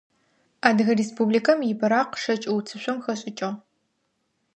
Адыгэ Республикэм и быракъ шэкӏ уцышъом хэшӏыкӏыгъ.